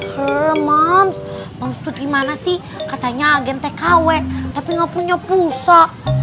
her mams mams tut gimana sih katanya agen tkw tapi nggak punya pulsa